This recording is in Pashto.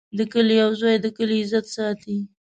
د کلي یو زوی د کلي عزت ساتي.